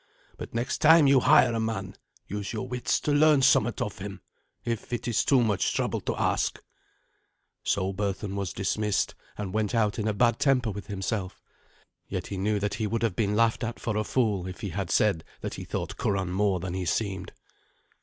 But next time you hire a man, use your wits to learn somewhat of him, if it is too much trouble to ask." So Berthun was dismissed, and went out in a bad temper with himself. Yet he knew that he would have been laughed at for a fool if he had said that he thought Curan more than he seemed.